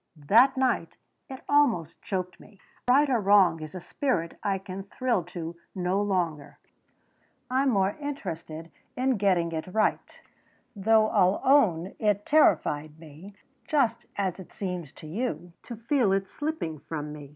That night it almost choked me. That 'right or wrong' is a spirit I can thrill to no longer. I'm more interested in getting it right. "Though I'll own it terrified me, just as it seems to you, to feel it slipping from me.